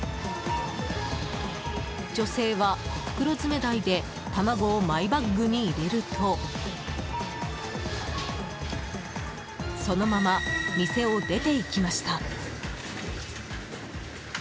女性は袋詰め台で卵をマイバッグに入れるとそのまま、店を出て行きました。